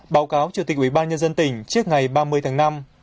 báo cáo chủ tịch ủy ban nhân dân tỉnh trước ngày ba mươi tháng năm